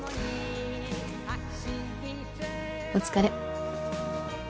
お疲れ。